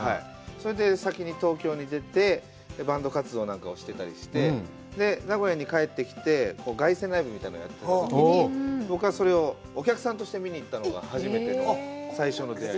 それで先に東京に出て、バンド活動なんかをしてたりして、名古屋に帰ってきて、凱旋ライブをやったときに僕がそれをお客さんとして見に行ったのが初めての、最初の出会い。